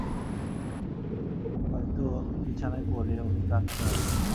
হয়তো বিছানায় পড়ে ওকে কাঁদতে হবে।